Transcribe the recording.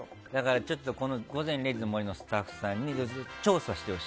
ちょっと「午前０時の森」のスタッフさんに調査してほしい。